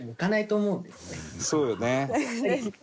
そうよね。